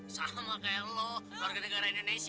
sama kayak lo warga negara indonesia